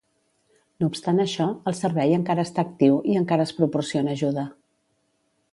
No obstant això, el servei encara està actiu i encara es proporciona ajuda.